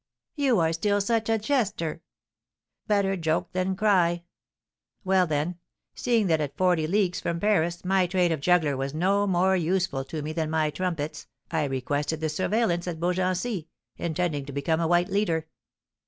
"You are still such a jester!" "Better joke than cry. Well, then, seeing that at forty leagues from Paris my trade of juggler was no more useful to me than my trumpets, I requested the surveillance at Beaugency, intending to become a white leader.